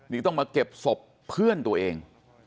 นี่ต้องมาเก็บศพเพื่อนตัวเอง